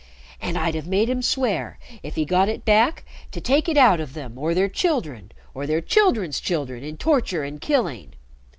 And I'd have made him swear, if he got it back, to take it out of them or their children or their children's children in torture and killing.